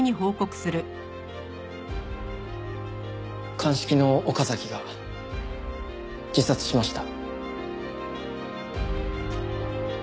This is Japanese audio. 鑑識の岡崎が自殺しました。